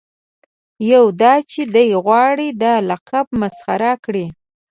یو دا چې دای غواړي دا لقب مسخره کړي.